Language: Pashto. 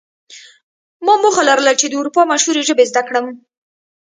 ما موخه لرله چې د اروپا مشهورې ژبې زده کړم